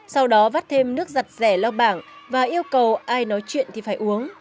sau đó vắt thêm nước giặt rẻ lao bảng và yêu cầu ai nói chuyện thì phải uống